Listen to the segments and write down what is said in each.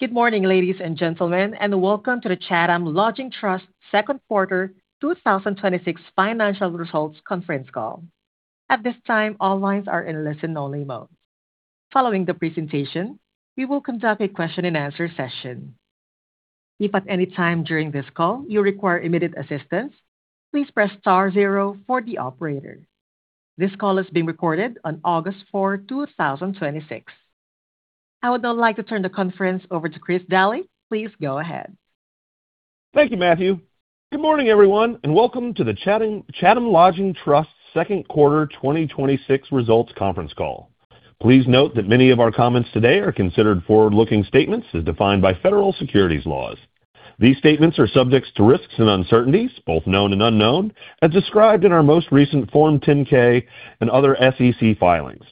Good morning, ladies and gentlemen, and welcome to the Chatham Lodging Trust Second Quarter 2026 financial results conference call. At this time, all lines are in listen only mode. Following the presentation, we will conduct a question-and-answer session. If at any time during this call you require immediate assistance, please press star zero for the operator. This call is being recorded on August 4, 2026. I would now like to turn the conference over to Chris Daly. Please go ahead. Thank you, Matthew. Good morning, everyone, and welcome to the Chatham Lodging Trust second quarter 2026 results conference call. Please note that many of our comments today are considered forward-looking statements as defined by federal securities laws. These statements are subject to risks and uncertainties, both known and unknown, as described in our most recent Form 10-K and other SEC filings.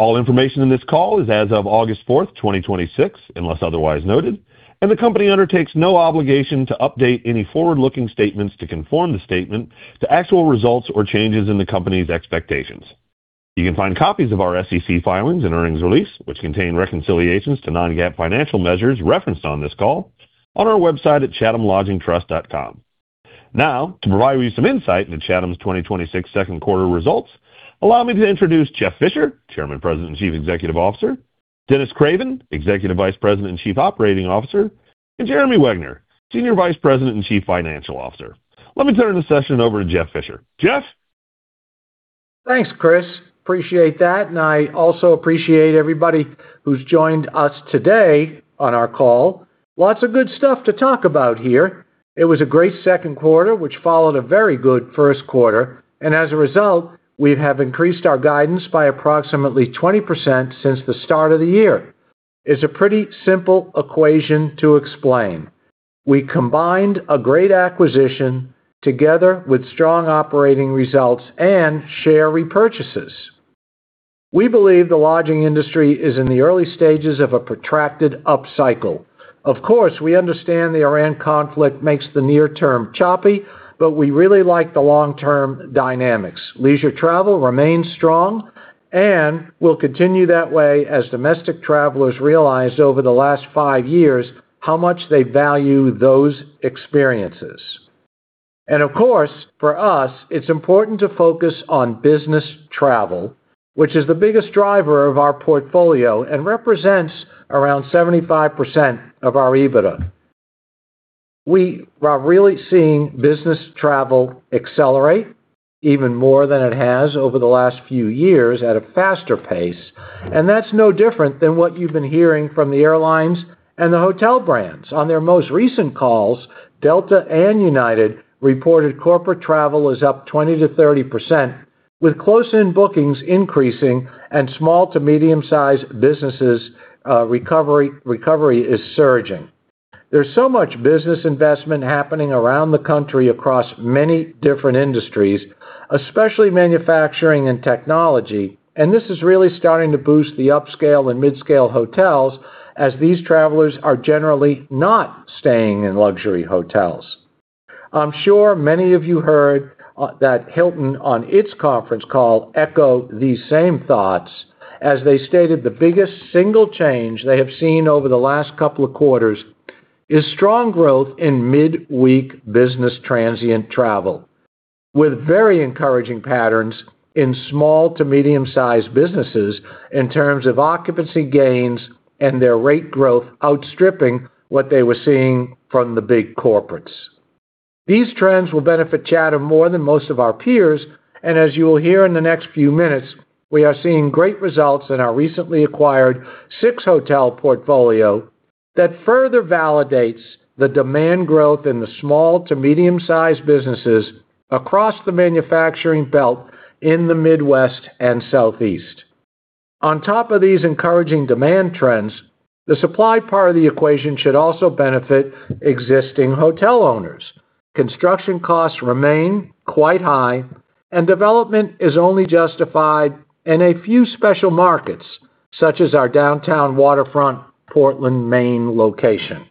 All information in this call is as of August 4, 2026, unless otherwise noted, and the company undertakes no obligation to update any forward-looking statements to conform the statement to actual results or changes in the company's expectations. You can find copies of our SEC filings and earnings release, which contain reconciliations to non-GAAP financial measures referenced on this call, on our website at chathamlodgingtrust.com. Now, to provide you some insight into Chatham's 2026 second quarter results, allow me to introduce Jeff Fisher, Chairman, President, and Chief Executive Officer, Dennis Craven, Executive Vice President and Chief Operating Officer, and Jeremy Wegner, Senior Vice President and Chief Financial Officer. Let me turn the session over to Jeff Fisher. Jeff? Thanks, Chris. Appreciate that. I also appreciate everybody who's joined us today on our call. Lots of good stuff to talk about here. It was a great second quarter, which followed a very good first quarter, and as a result, we have increased our guidance by approximately 20% since the start of the year. It's a pretty simple equation to explain. We combined a great acquisition together with strong operating results and share repurchases. We believe the lodging industry is in the early stages of a protracted upcycle. Of course, we understand the Iran conflict makes the near term choppy, but we really like the long-term dynamics. Leisure travel remains strong and will continue that way as domestic travelers realize over the last five years how much they value those experiences. Of course, for us, it's important to focus on business travel, which is the biggest driver of our portfolio and represents around 75% of our EBITDA. We are really seeing business travel accelerate even more than it has over the last few years at a faster pace, and that's no different than what you've been hearing from the airlines and the hotel brands. On their most recent calls, Delta and United reported corporate travel is up 20%-30%, with close-in bookings increasing and small to medium-sized businesses recovery is surging. There's so much business investment happening around the country across many different industries, especially manufacturing and technology, and this is really starting to boost the upscale and midscale hotels as these travelers are generally not staying in luxury hotels. I'm sure many of you heard that Hilton on its conference call echoed these same thoughts as they stated the biggest single change they have seen over the last couple of quarters is strong growth in mid-week business transient travel, with very encouraging patterns in small to medium-sized businesses in terms of occupancy gains and their rate growth outstripping what they were seeing from the big corporates. These trends will benefit Chatham more than most of our peers, and as you will hear in the next few minutes, we are seeing great results in our recently acquired six-hotel portfolio that further validates the demand growth in the small to medium-sized businesses across the manufacturing belt in the Midwest and Southeast. On top of these encouraging demand trends, the supply part of the equation should also benefit existing hotel owners. Construction costs remain quite high, and development is only justified in a few special markets, such as our downtown waterfront Portland, Maine location.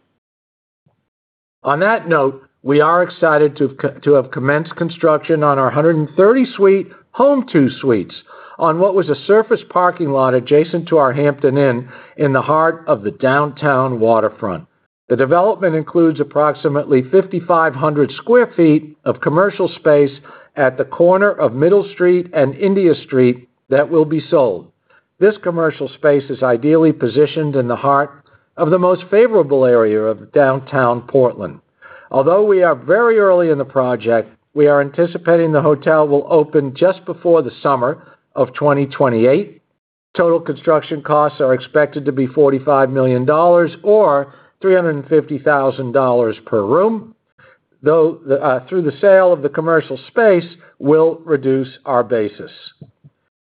On that note, we are excited to have commenced construction on our 130-suite Home2 Suites on what was a surface parking lot adjacent to our Hampton Inn in the heart of the downtown waterfront. The development includes approximately 5,500 sq ft of commercial space at the corner of Middle Street and India Street that will be sold. This commercial space is ideally positioned in the heart of the most favorable area of downtown Portland. Although we are very early in the project, we are anticipating the hotel will open just before the summer of 2028. Total construction costs are expected to be $45 million, or $350,000 per room. Though through the sale of the commercial space will reduce our basis.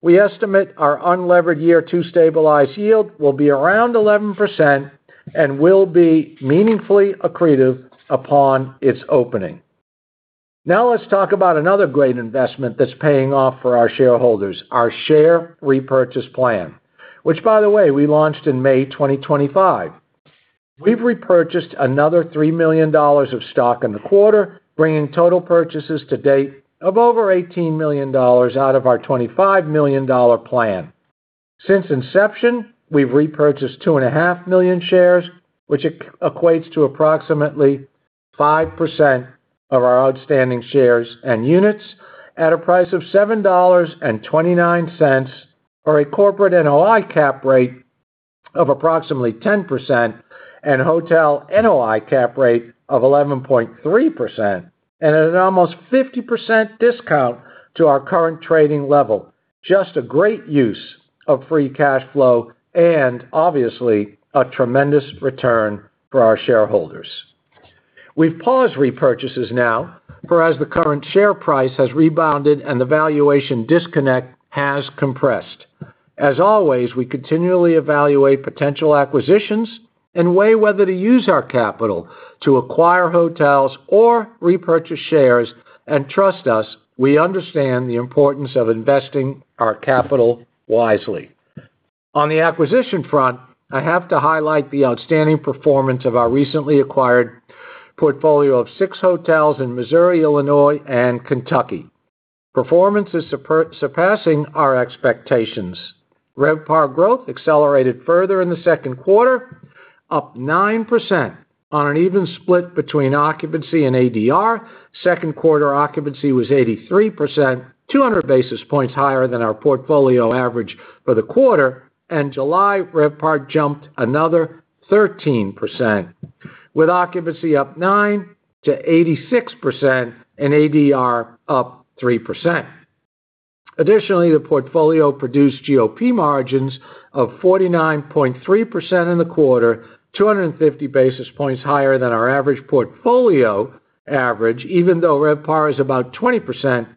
We estimate our unlevered year two stabilized yield will be around 11% and will be meaningfully accretive upon its opening. Let's talk about another great investment that's paying off for our shareholders, our share repurchase plan, which, by the way, we launched in May 2025. We've repurchased another $3 million of stock in the quarter, bringing total purchases to date of over $18 million out of our $25 million plan. Since inception, we've repurchased 2.5 million shares, which equates to approximately 5% of our outstanding shares and units at a price of $7.29, or a corporate NOI cap rate of approximately 10%, and hotel NOI cap rate of 11.3%, and at an almost 50% discount to our current trading level. Just a great use of free cash flow, and obviously, a tremendous return for our shareholders. We've paused repurchases now, for as the current share price has rebounded and the valuation disconnect has compressed. As always, we continually evaluate potential acquisitions and weigh whether to use our capital to acquire hotels or repurchase shares. Trust us, we understand the importance of investing our capital wisely. On the acquisition front, I have to highlight the outstanding performance of our recently acquired portfolio of six hotels in Missouri, Illinois, and Kentucky. Performance is surpassing our expectations. RevPAR growth accelerated further in the second quarter, up 9% on an even split between occupancy and ADR. Second quarter occupancy was 83%, 200 basis points higher than our portfolio average for the quarter. July, RevPAR jumped another 13%, with occupancy up 9% to 86%, and ADR up 3%. Additionally, the portfolio produced GOP margins of 49.3% in the quarter, 250 basis points higher than our average portfolio average, even though RevPAR is about 20%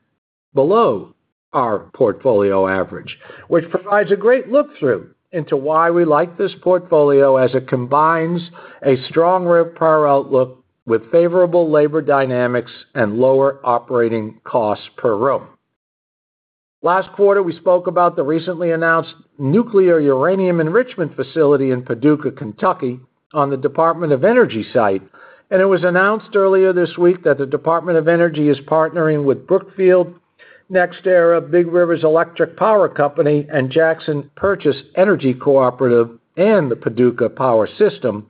below our portfolio average, which provides a great look-through into why we like this portfolio as it combines a strong RevPAR outlook with favorable labor dynamics and lower operating costs per room. Last quarter, we spoke about the recently announced nuclear uranium enrichment facility in Paducah, Kentucky, on the U.S. Department of Energy site, it was announced earlier this week that the U.S. Department of Energy is partnering with Brookfield NextEra, Big Rivers Electric Corporation, Jackson Purchase Energy Cooperative, and the Paducah Power System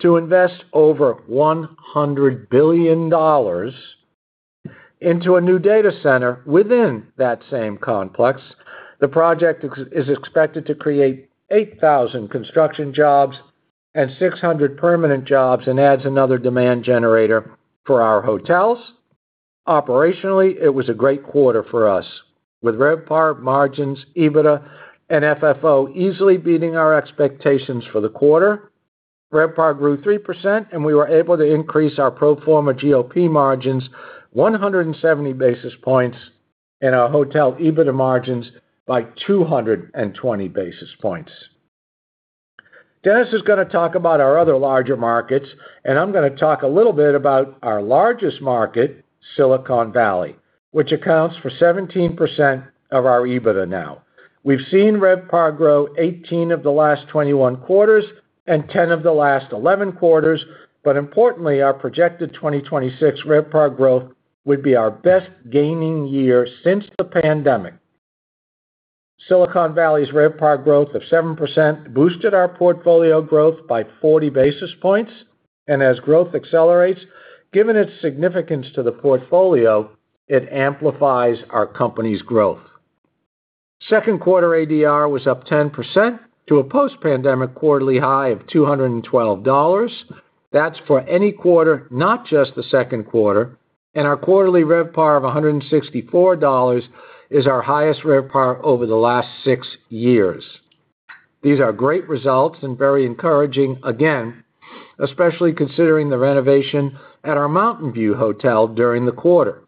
to invest over $100 billion into a new data center within that same complex. The project is expected to create 8,000 construction jobs and 600 permanent jobs and adds another demand generator for our hotels. Operationally, it was a great quarter for us, with RevPAR margins, EBITDA, and FFO easily beating our expectations for the quarter. RevPAR grew 3%, we were able to increase our pro forma GOP margins 170 basis points and our hotel EBITDA margins by 220 basis points. Dennis is going to talk about our other larger markets, I'm going to talk a little bit about our largest market, Silicon Valley, which accounts for 17% of our EBITDA now. We've seen RevPAR grow 18 of the last 21 quarters and 10 of the last 11 quarters. Importantly, our projected 2026 RevPAR growth would be our best gaining year since the pandemic. Silicon Valley's RevPAR growth of 7% boosted our portfolio growth by 40 basis points. As growth accelerates, given its significance to the portfolio, it amplifies our company's growth. Second quarter ADR was up 10% to a post-pandemic quarterly high of $212. That's for any quarter, not just the second quarter. Our quarterly RevPAR of $164 is our highest RevPAR over the last six years. These are great results and very encouraging, again, especially considering the renovation at our Mountain View hotel during the quarter.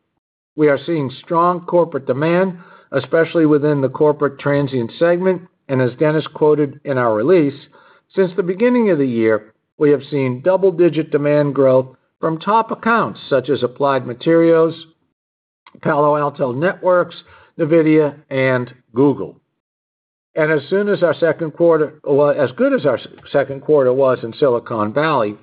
We are seeing strong corporate demand, especially within the corporate transient segment. As Dennis quoted in our release, "Since the beginning of the year, we have seen double-digit demand growth from top accounts such as Applied Materials, Palo Alto Networks, NVIDIA, and Google." As good as our second quarter was in Silicon Valley,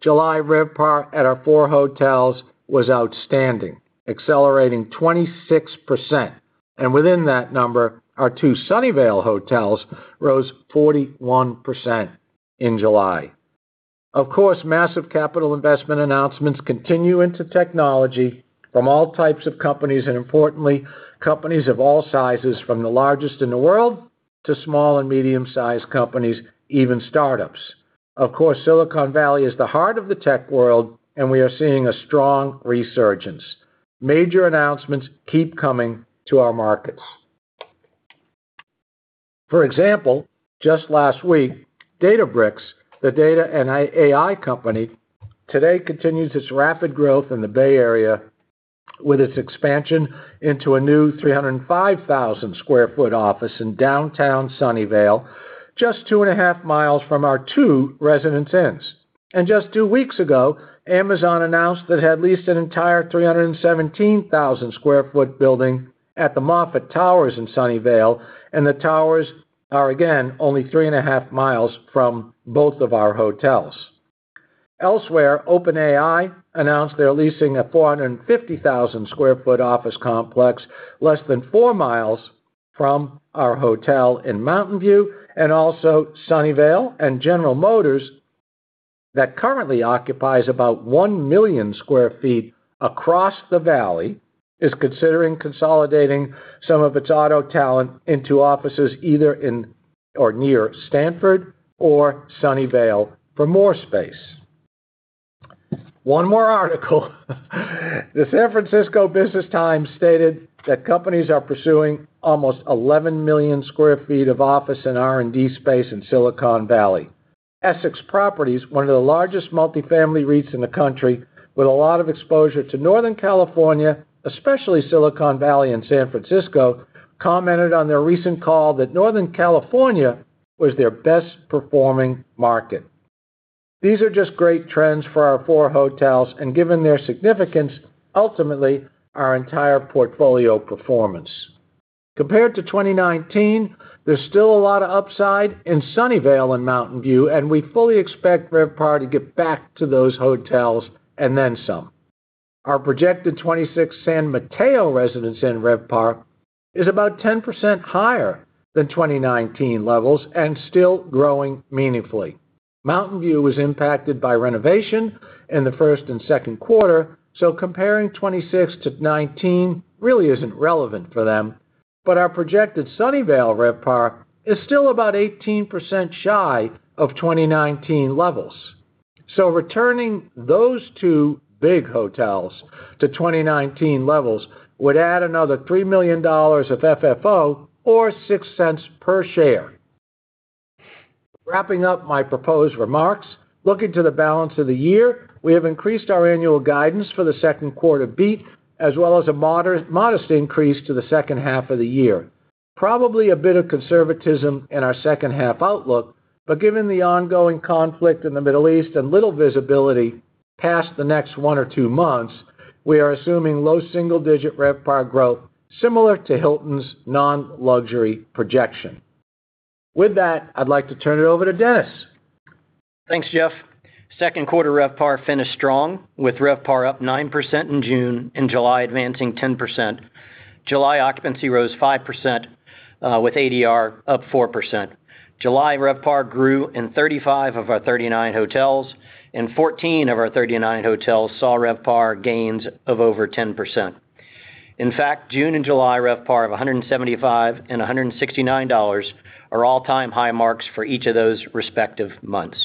July RevPAR at our four hotels was outstanding, accelerating 26%. Within that number, our two Sunnyvale hotels rose 41% in July. Of course, massive capital investment announcements continue into technology from all types of companies, and importantly, companies of all sizes, from the largest in the world to small and medium-sized companies, even startups. Of course, Silicon Valley is the heart of the tech world, and we are seeing a strong resurgence. Major announcements keep coming to our markets. For example, just last week, Databricks, the data and AI company, today continues its rapid growth in the Bay Area with its expansion into a new 305,000 sq ft office in downtown Sunnyvale, just two and a half miles from our two Residence Inns. Just two weeks ago, Amazon announced that it had leased an entire 317,000 sq ft building at The Moffett Towers in Sunnyvale, and the towers are, again, only three and a half miles from both of our hotels. Elsewhere, OpenAI announced they're leasing a 450,000 sq ft office complex less than four miles from our hotel in Mountain View, and also Sunnyvale, and General Motors, that currently occupies about 1 million sq ft across the valley, is considering consolidating some of its auto talent into offices either in or near Stanford or Sunnyvale for more space. One more article. The "San Francisco Business Times" stated that companies are pursuing almost 11 million sq ft of office and R&D space in Silicon Valley. Essex Property Trust, one of the largest multifamily REITs in the country, with a lot of exposure to Northern California, especially Silicon Valley and San Francisco, commented on their recent call that Northern California was their best-performing market. These are just great trends for our four hotels and, given their significance, ultimately our entire portfolio performance. Compared to 2019, there's still a lot of upside in Sunnyvale and Mountain View, and we fully expect RevPAR to get back to those hotels and then some. Our projected 2016 San Mateo Residence Inn RevPAR is about 10% higher than 2019 levels and still growing meaningfully. Mountain View was impacted by renovation in the first and second quarter, comparing 2016 to 2019 really isn't relevant for them, but our projected Sunnyvale RevPAR is still about 18% shy of 2019 levels. Returning those two big hotels to 2019 levels would add another $3 million of FFO or $0.06 per share. Wrapping up my proposed remarks, looking to the balance of the year, we have increased our annual guidance for the second quarter beat, as well as a modest increase to the second half of the year. Probably a bit of conservatism in our second half outlook, but given the ongoing conflict in the Middle East and little visibility past the next one or two months, we are assuming low single-digit RevPAR growth similar to Hilton's non-luxury projection. With that, I'd like to turn it over to Dennis. Thanks, Jeff. Second quarter RevPAR finished strong with RevPAR up 9% in June and July advancing 10%. July occupancy rose 5%, with ADR up 4%. July RevPAR grew in 35 of our 39 hotels, and 14 of our 39 hotels saw RevPAR gains of over 10%. In fact, June and July RevPAR of $175 and $169 are all-time high marks for each of those respective months.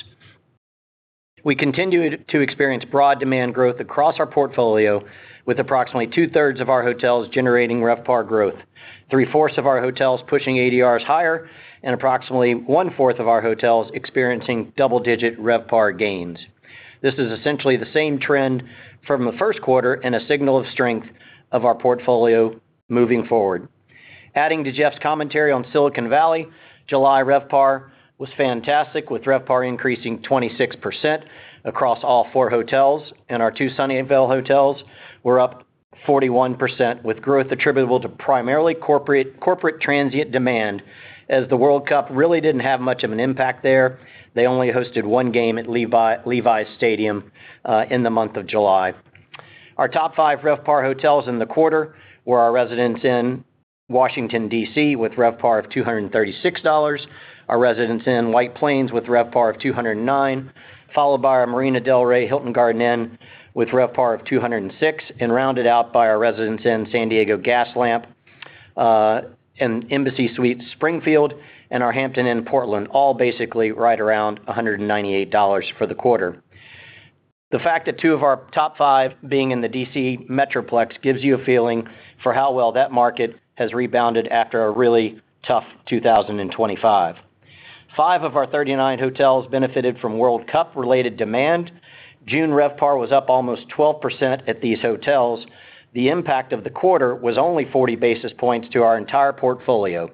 We continue to experience broad demand growth across our portfolio with approximately two-thirds of our hotels generating RevPAR growth, three-fourths of our hotels pushing ADRs higher, and approximately one-fourth of our hotels experiencing double-digit RevPAR gains. This is essentially the same trend from the first quarter and a signal of strength of our portfolio moving forward. Adding to Jeff's commentary on Silicon Valley, July RevPAR was fantastic with RevPAR increasing 26% across all four hotels, and our two Sunnyvale hotels were up 41% with growth attributable to primarily corporate transient demand as the World Cup really didn't have much of an impact there. They only hosted one game at Levi's Stadium in the month of July. Our top five RevPAR hotels in the quarter were our Residence Inn Washington, D.C. with RevPAR of $236, our Residence Inn White Plains with RevPAR of $209, followed by our Marina del Rey Hilton Garden Inn with RevPAR of $206, and rounded out by our Residence Inn San Diego Gaslamp, and Embassy Suites Springfield, and our Hampton Inn Portland, all basically right around $198 for the quarter. The fact that two of our top five being in the D.C. metroplex gives you a feeling for how well that market has rebounded after a really tough 2025. Five of our 39 hotels benefited from World Cup related demand. June RevPAR was up almost 12% at these hotels. The impact of the quarter was only 40 basis points to our entire portfolio.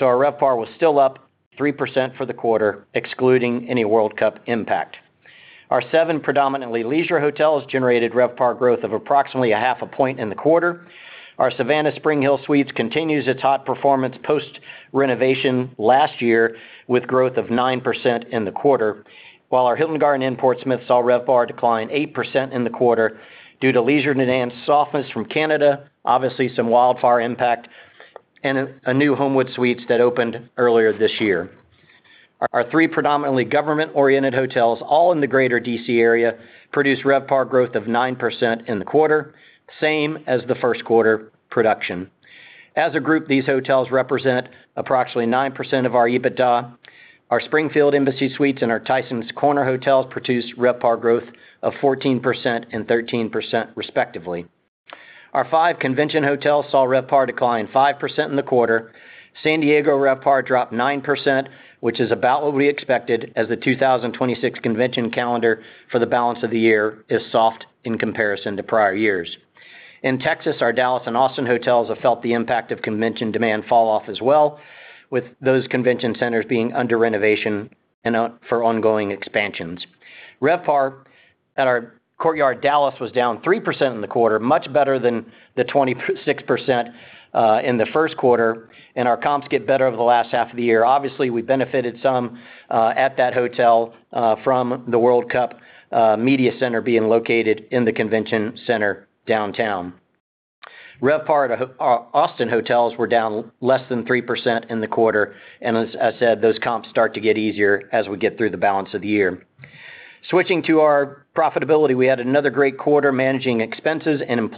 Our RevPAR was still up 3% for the quarter excluding any World Cup impact. Our seven predominantly leisure hotels generated RevPAR growth of approximately a half a point in the quarter. Our Savannah SpringHill Suites continues its hot performance post-renovation last year with growth of 9% in the quarter. While our Hilton Garden Inn Portsmouth saw RevPAR decline 8% in the quarter due to leisure demand softness from Canada, obviously some wildfire impact, and a new Homewood Suites that opened earlier this year. Our three predominantly government-oriented hotels, all in the greater D.C. area, produced RevPAR growth of 9% in the quarter, same as the first quarter production. As a group, these hotels represent approximately 9% of our EBITDA. Our Springfield Embassy Suites and our Tysons Corner hotels produced RevPAR growth of 14% and 13% respectively. Our five convention hotels saw RevPAR decline 5% in the quarter. San Diego RevPAR dropped 9%, which is about what we expected as the 2026 convention calendar for the balance of the year is soft in comparison to prior years. In Texas, our Dallas and Austin hotels have felt the impact of convention demand fall off as well, with those convention centers being under renovation and for ongoing expansions. RevPAR at our Courtyard Dallas was down 3% in the quarter, much better than the 26% in the first quarter, and our comps get better over the last half of the year. Obviously, we benefited some at that hotel from the World Cup media center being located in the convention center downtown. RevPAR at Austin hotels were down less than 3% in the quarter, and as I said, those comps start to get easier as we get through the balance of the year. Switching to our profitability. We had another great quarter managing expenses and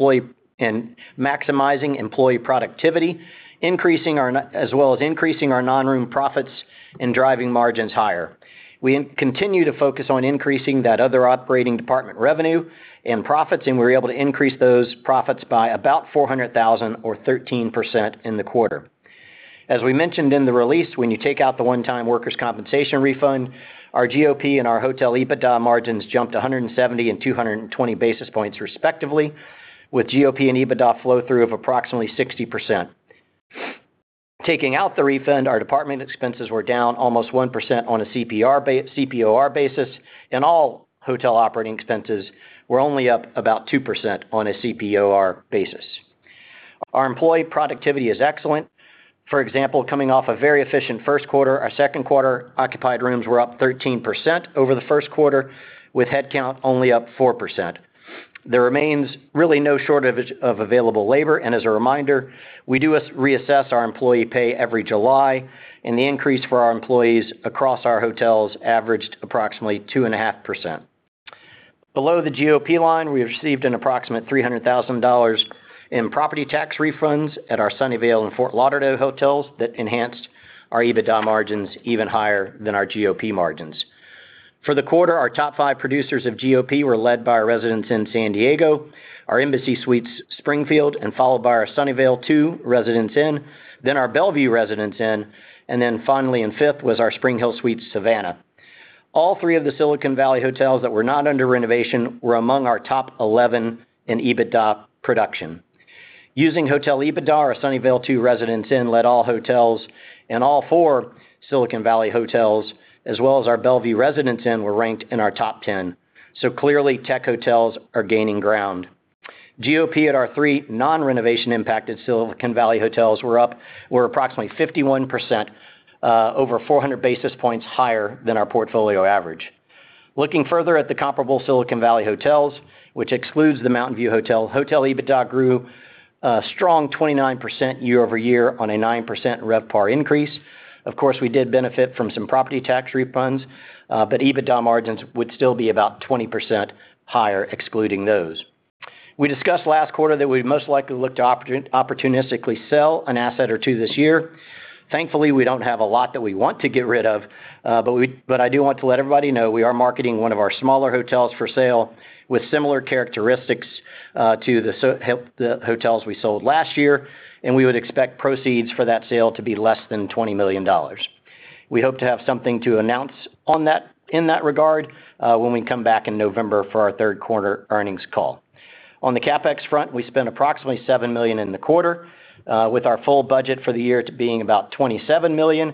maximizing employee productivity, as well as increasing our non-room profits and driving margins higher. We continue to focus on increasing that other operating department revenue and profits, and we were able to increase those profits by about $400,000 or 13% in the quarter. As we mentioned in the release, when you take out the one-time workers' compensation refund, our GOP and our hotel EBITDA margins jumped 170 and 220 basis points respectively, with GOP and EBITDA flow-through of approximately 60%. Taking out the refund, our department expenses were down almost 1% on a CPOR basis, and all hotel operating expenses were only up about 2% on a CPOR basis. Our employee productivity is excellent. For example, coming off a very efficient first quarter, our second quarter occupied rooms were up 13% over the first quarter, with headcount only up 4%. There remains really no shortage of available labor, and as a reminder, we do reassess our employee pay every July, and the increase for our employees across our hotels averaged approximately 2.5%. Below the GOP line, we received an approximate $300,000 in property tax refunds at our Sunnyvale and Fort Lauderdale hotels that enhanced our EBITDA margins even higher than our GOP margins. For the quarter, our top five producers of GOP were led by our Residence Inn San Diego, our Embassy Suites Springfield, and followed by our Sunnyvale two Residence Inn, then our Bellevue Residence Inn, and then finally in fifth was our SpringHill Suites Savannah. All three of the Silicon Valley hotels that were not under renovation were among our top 11 in EBITDA production. Using hotel EBITDA, our Sunnyvale two Residence Inn led all hotels, and all four Silicon Valley hotels, as well as our Bellevue Residence Inn, were ranked in our top 10. Clearly, tech hotels are gaining ground. GOP at our three non-renovation impacted Silicon Valley hotels were up approximately 51%, over 400 basis points higher than our portfolio average. Looking further at the comparable Silicon Valley hotels, which excludes the Mountain View Hotel, hotel EBITDA grew a strong 29% year-over-year on a 9% RevPAR increase. Of course, we did benefit from some property tax refunds, but EBITDA margins would still be about 20% higher excluding those. We discussed last quarter that we'd most likely look to opportunistically sell an asset or two this year. Thankfully, we don't have a lot that we want to get rid of, but I do want to let everybody know we are marketing one of our smaller hotels for sale with similar characteristics to the hotels we sold last year, and we would expect proceeds for that sale to be less than $20 million. We hope to have something to announce in that regard when we come back in November for our third quarter earnings call. On the CapEx front, we spent approximately $7 million in the quarter, with our full budget for the year to being about $27 million.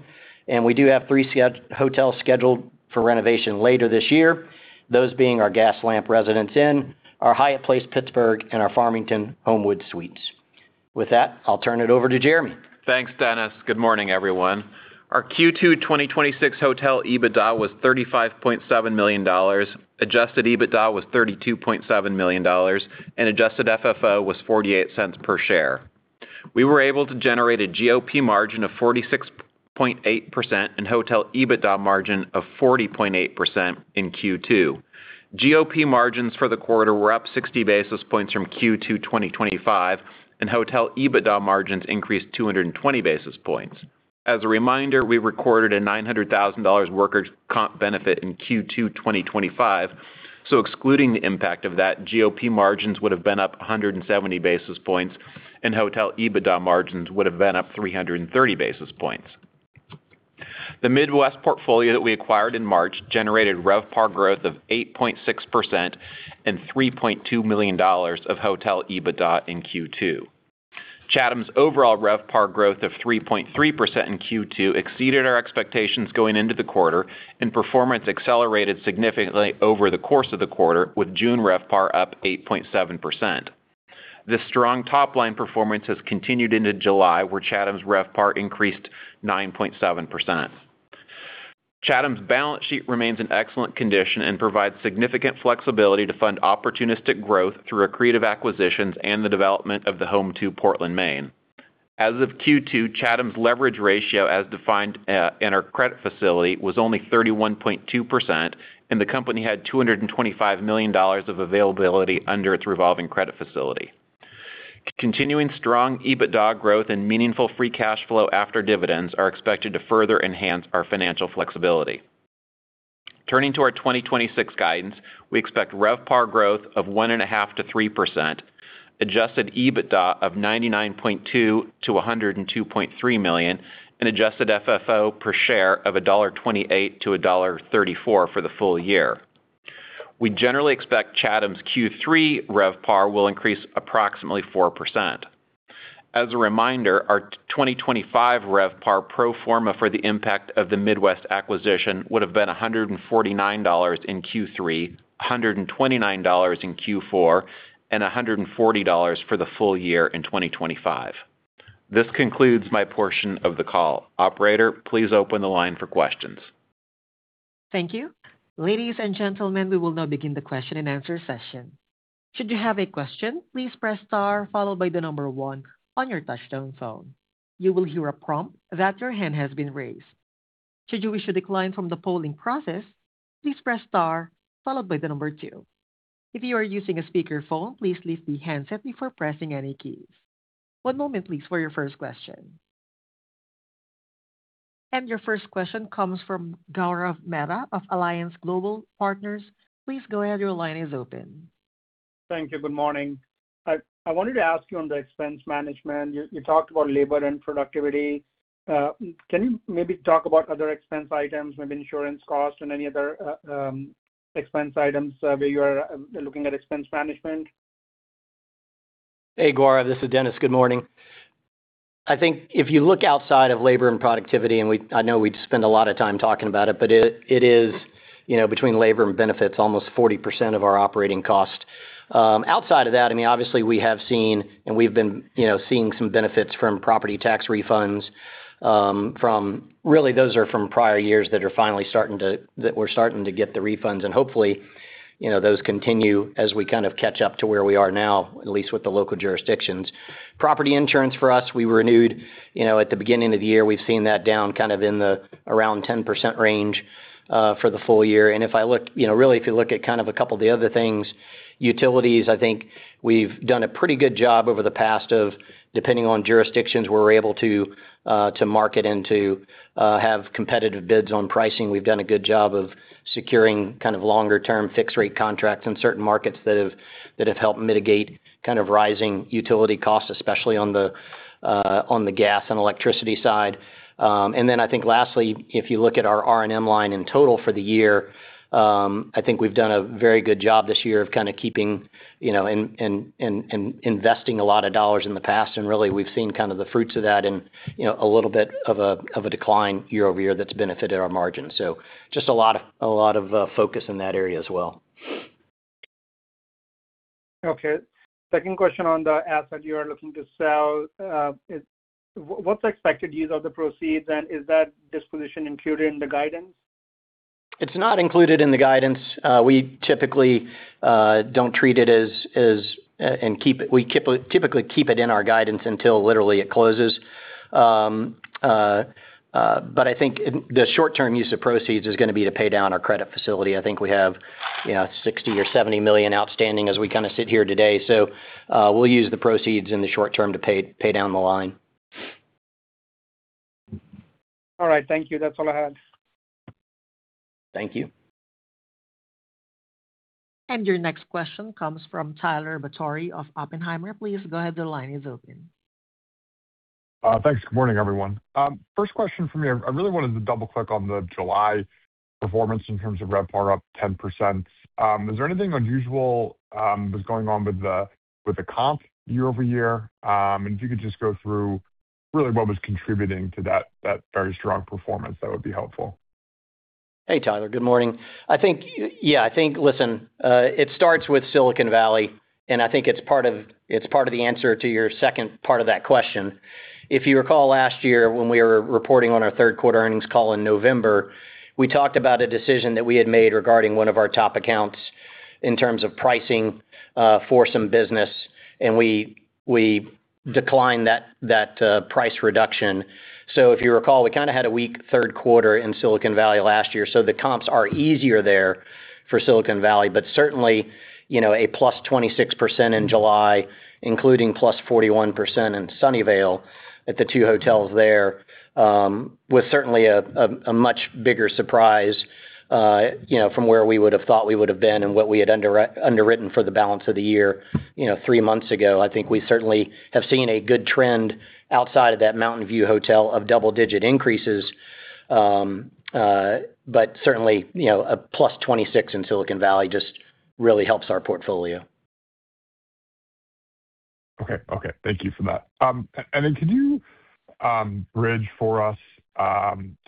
We do have three hotel scheduled for renovation later this year. Those being our Gaslamp Residence Inn, our Hyatt Place Pittsburgh, and our Homewood Suites Farmington. With that, I'll turn it over to Jeremy. Thanks, Dennis. Good morning, everyone. Our Q2 2026 hotel EBITDA was $35.7 million. Adjusted EBITDA was $32.7 million, and adjusted FFO was $0.48 per share. We were able to generate a GOP margin of 46.8% and hotel EBITDA margin of 40.8% in Q2. GOP margins for the quarter were up 60 basis points from Q2 2025. Hotel EBITDA margins increased 220 basis points. As a reminder, we recorded a $900,000 workers' comp benefit in Q2 2025. Excluding the impact of that, GOP margins would have been up 170 basis points and hotel EBITDA margins would have been up 330 basis points. The Midwest portfolio that we acquired in March generated RevPAR growth of 8.6% and $3.2 million of hotel EBITDA in Q2. Chatham's overall RevPAR growth of 3.3% in Q2 exceeded our expectations going into the quarter. Performance accelerated significantly over the course of the quarter, with June RevPAR up 8.7%. This strong top-line performance has continued into July, where Chatham's RevPAR increased 9.7%. Chatham's balance sheet remains in excellent condition and provides significant flexibility to fund opportunistic growth through accretive acquisitions and the development of the Home2 Suites by Hilton Portland. As of Q2, Chatham's leverage ratio, as defined in our credit facility, was only 31.2%. The company had $225 million of availability under its revolving credit facility. Continuing strong EBITDA growth and meaningful free cash flow after dividends are expected to further enhance our financial flexibility. Turning to our 2026 guidance, we expect RevPAR growth of 1.5%-3%, adjusted EBITDA of $99.2 million-$102.3 million, and adjusted FFO per share of $1.28-$1.34 for the full year. We generally expect Chatham's Q3 RevPAR will increase approximately 4%. As a reminder, our 2025 RevPAR pro forma for the impact of the Midwest acquisition would've been $149 in Q3, $129 in Q4, and $140 for the full year in 2025. This concludes my portion of the call. Operator, please open the line for questions. Thank you. Ladies and gentlemen, we will now begin the question-and-answer session. Should you have a question, please press star followed by the number one on your touch-tone phone. You will hear a prompt that your hand has been raised. Should you wish to decline from the polling process, please press star followed by the number two. If you are using a speakerphone, please lift the handset before pressing any keys. One moment please, for your first question. Your first question comes from Gaurav Mehta of Alliance Global Partners. Please go ahead, your line is open. Thank you. Good morning. I wanted to ask you on the expense management, you talked about labor and productivity. Can you maybe talk about other expense items, maybe insurance costs and any other expense items where you're looking at expense management? Hey, Gaurav, this is Dennis. Good morning. I think if you look outside of labor and productivity, I know we spend a lot of time talking about it, but it is, between labor and benefits, almost 40% of our operating cost. Outside of that, obviously we have seen, and we've been seeing some benefits from property tax refunds. Really, those are from prior years that we're starting to get the refunds, and hopefully, those continue as we kind of catch up to where we are now, at least with the local jurisdictions. Property insurance for us, we renewed at the beginning of the year. We've seen that down in around 10% range, for the full year. If you look at a couple of the other things, utilities, I think we've done a pretty good job over the past of, depending on jurisdictions, we're able to market and to have competitive bids on pricing. We've done a good job of securing longer-term fixed rate contracts in certain markets that have helped mitigate rising utility costs, especially on the gas and electricity side. I think lastly, if you look at our R&M line in total for the year, I think we've done a very good job this year of keeping and investing a lot of dollars in the past, and really we've seen the fruits of that in a little bit of a decline year-over-year that's benefited our margin. Just a lot of focus in that area as well. Okay. Second question on the asset you are looking to sell. What's the expected use of the proceeds, and is that disposition included in the guidance? It's not included in the guidance. We typically keep it in our guidance until literally it closes. I think the short-term use of proceeds is going to be to pay down our credit facility. I think we have $60 million or $70 million outstanding as we sit here today. We'll use the proceeds in the short term to pay down the line. All right. Thank you. That's all I had. Thank you. Your next question comes from Tyler Batory of Oppenheimer. Please go ahead, the line is open. Thanks. Good morning, everyone. First question from me. I really wanted to double-click on the July performance in terms of RevPAR up 10%. Is there anything unusual that's going on with the comp year-over-year? If you could just go through really what was contributing to that very strong performance, that would be helpful. Hey, Tyler. Good morning. Listen, it starts with Silicon Valley, and I think it's part of the answer to your second part of that question. If you recall last year when we were reporting on our third quarter earnings call in November, we talked about a decision that we had made regarding one of our top accounts in terms of pricing for some business, and we declined that price reduction. If you recall, we kind of had a weak third quarter in Silicon Valley last year, so the comps are easier there for Silicon Valley, but certainly, a plus 26% in July, including plus 41% in Sunnyvale at the two hotels there, was certainly a much bigger surprise, from where we would've thought we would've been and what we had underwritten for the balance of the year three months ago. We certainly have seen a good trend outside of that Mountain View hotel of double-digit increases. Certainly, a plus 26 in Silicon Valley just really helps our portfolio. Okay. Thank you for that. Could you bridge for us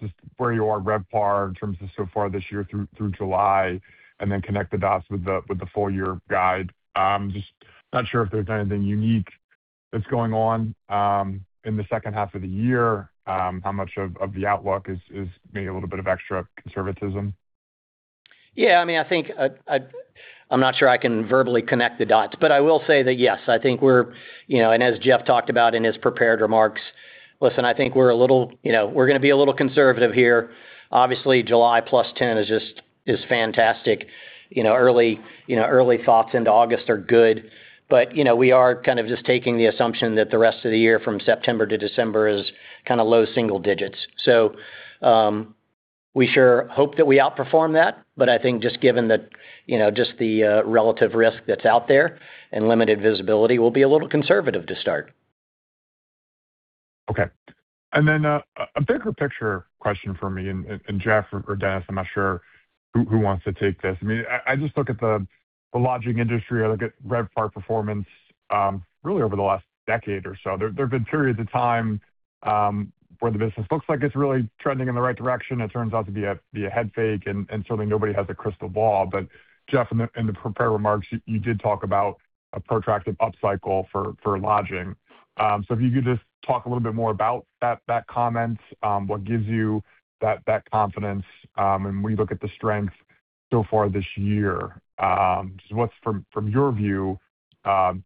just where you are, RevPAR, in terms of so far this year through July, then connect the dots with the full-year guide? Not sure if there's anything unique that's going on in the second half of the year. How much of the outlook is maybe a little bit of extra conservatism? I'm not sure I can verbally connect the dots, I will say that yes, as Jeff talked about in his prepared remarks, listen, I think we're going to be a little conservative here. Obviously, July plus 10 is fantastic. Early thoughts into August are good. We are just taking the assumption that the rest of the year, from September to December, is low single digits. We sure hope that we outperform that, I think just given just the relative risk that's out there and limited visibility, we'll be a little conservative to start. Okay. A bigger picture question from me, Jeff or Dennis, I'm not sure who wants to take this. I look at the lodging industry. I look at RevPAR performance really over the last decade or so. There have been periods of time where the business looks like it's really trending in the right direction, it turns out to be a head fake, certainly, nobody has a crystal ball. Jeff, in the prepared remarks, you did talk about a protracted upcycle for lodging. If you could talk a little bit more about that comment. What gives you that confidence when you look at the strength so far this year? What's, from your view,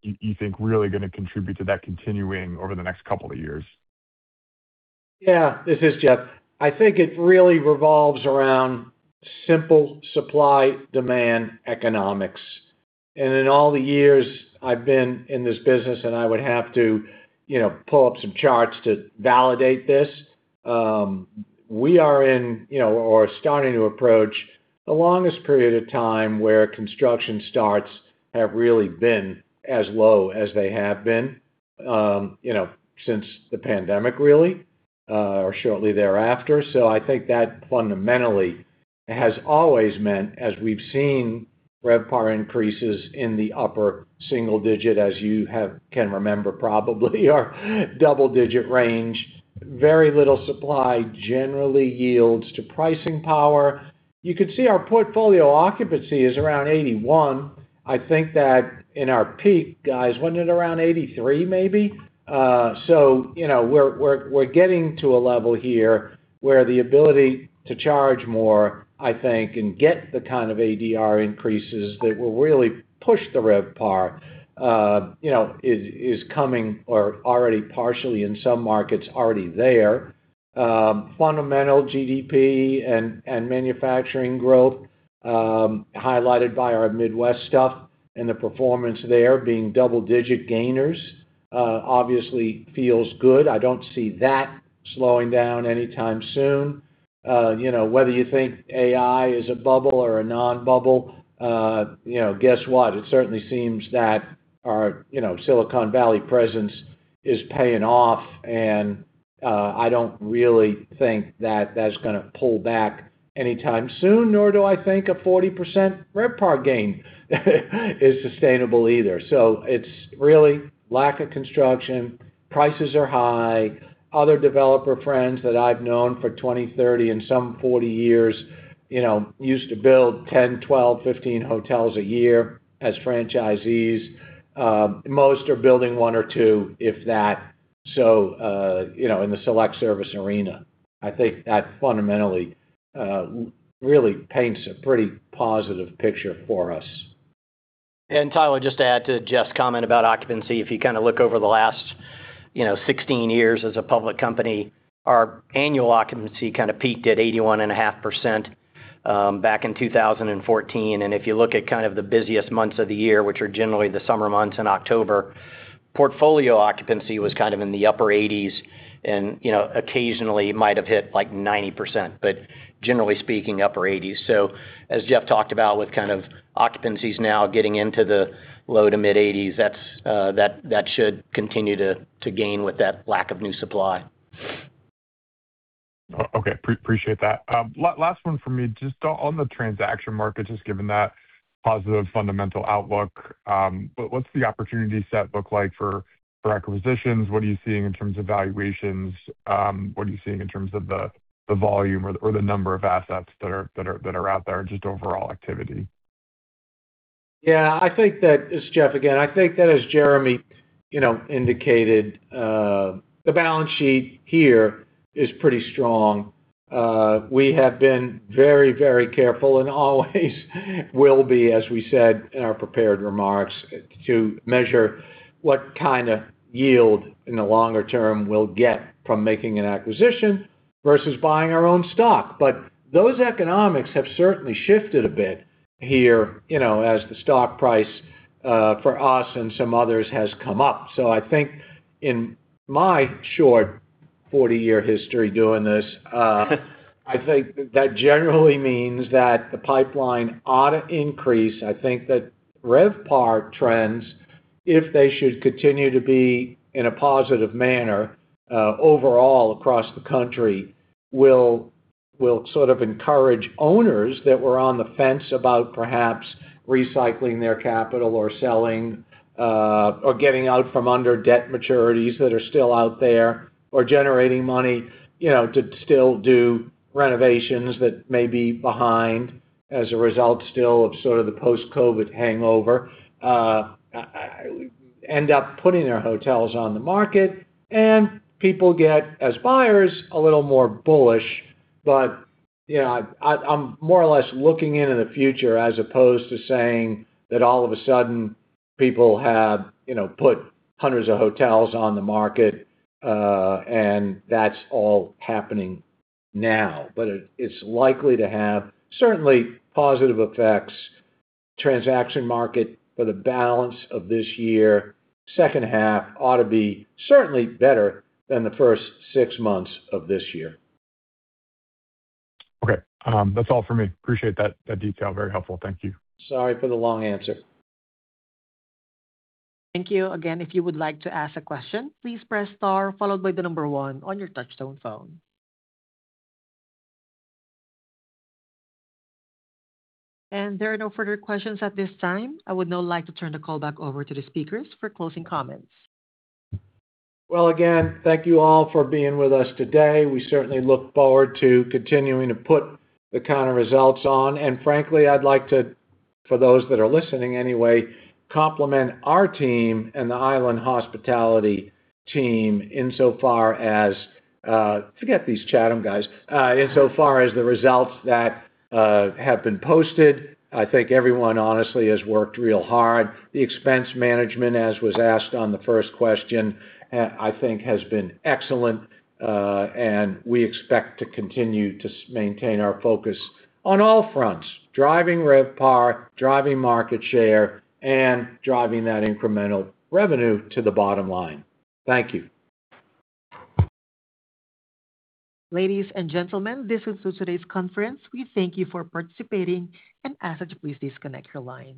you think really going to contribute to that continuing over the next couple of years? This is Jeff. I think it really revolves around simple supply-demand economics. In all the years I've been in this business, and I would have to pull up some charts to validate this, we are in or are starting to approach the longest period of time where construction starts have really been as low as they have been since the pandemic, really, or shortly thereafter. I think that fundamentally has always meant, as we've seen RevPAR increases in the upper single-digit, as you can remember probably or double-digit range, very little supply generally yields to pricing power. You could see our portfolio occupancy is around 81. I think that in our peak, guys, wasn't it around 83, maybe? We're getting to a level here where the ability to charge more, I think, and get the kind of ADR increases that will really push the RevPAR is coming or already partially in some markets already there. Fundamental GDP and manufacturing growth, highlighted by our Midwest stuff and the performance there being double-digit gainers obviously feels good. I don't see that slowing down anytime soon. Whether you think AI is a bubble or a non-bubble, guess what? It certainly seems that our Silicon Valley presence is paying off, and I don't really think that that's going to pull back anytime soon, nor do I think a 40% RevPAR gain is sustainable either. It's really lack of construction. Prices are high. Other developer friends that I've known for 20, 30, and some 40 years used to build 10, 12, 15 hotels a year as franchisees. Most are building one or two, if that, in the select service arena. I think that fundamentally really paints a pretty positive picture for us. Tyler, just to add to Jeff's comment about occupancy, if you look over the last 16 years as a public company, our annual occupancy kind of peaked at 81.5% back in 2014. If you look at the busiest months of the year, which are generally the summer months and October, portfolio occupancy was in the upper 80s and occasionally might have hit like 90%, but generally speaking, upper 80s. As Jeff talked about with occupancies now getting into the low to mid-80s, that should continue to gain with that lack of new supply. Okay. Appreciate that. Last one from me. Just on the transaction market, just given that positive fundamental outlook, what's the opportunity set look like for acquisitions? What are you seeing in terms of valuations? What are you seeing in terms of the volume or the number of assets that are out there and just overall activity? Yeah. This is Jeff again. I think that as Jeremy indicated, the balance sheet here is pretty strong. We have been very careful and always will be, as we said in our prepared remarks, to measure what kind of yield in the longer term we'll get from making an acquisition versus buying our own stock. Those economics have certainly shifted a bit here, as the stock price for us and some others has come up. I think in my short 40-year history doing this, I think that generally means that the pipeline ought to increase. I think that RevPAR trends, if they should continue to be in a positive manner, overall, across the country, will sort of encourage owners that were on the fence about perhaps recycling their capital or selling or getting out from under debt maturities that are still out there or generating money to still do renovations that may be behind as a result still of sort of the post-COVID hangover, end up putting their hotels on the market, and people get, as buyers, a little more bullish. I'm more or less looking in in the future as opposed to saying that all of a sudden people have put hundreds of hotels on the market, and that's all happening now. It's likely to have certainly positive effects. Transaction market for the balance of this year, second half ought to be certainly better than the first six months of this year. Okay. That's all for me. Appreciate that detail. Very helpful. Thank you. Sorry for the long answer. Thank you. Again, if you would like to ask a question, please press star followed by the number one on your touchtone phone. There are no further questions at this time. I would now like to turn the call back over to the speakers for closing comments. Well, again, thank you all for being with us today. We certainly look forward to continuing to put the kind of results on. Frankly, I'd like to, for those that are listening anyway, complement our team and the Island Hospitality team insofar as, forget these Chatham guys, insofar as the results that have been posted. I think everyone honestly has worked real hard. The expense management, as was asked on the first question, I think has been excellent, and we expect to continue to maintain our focus on all fronts, driving RevPAR, driving market share, and driving that incremental revenue to the bottom line. Thank you. Ladies and gentlemen, this concludes today's conference. We thank you for participating and ask that you please disconnect your line.